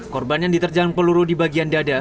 korban yang diterjang peluru di bagian dada